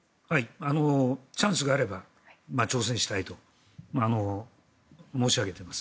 チャンスがあれば挑戦したいと申し上げています。